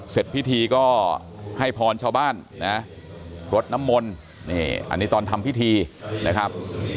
เสร็จพิธีก็ให้พรชาวบ้านนะรดน้ำมนต์นี่อันนี้ตอนทำพิธีนะครับ